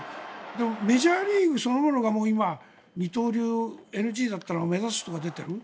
でもメジャーリーグそのものが今、二刀流がＮＧだったのが目指す人が出ている。